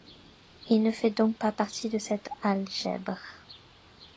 Il ne fait donc pas partie de cette algèbre.